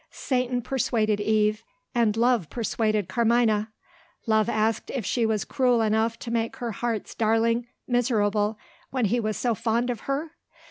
Satan persuaded Eve; and Love persuaded Carmina. Love asked if she was cruel enough to make her heart's darling miserable when he was so fond of her?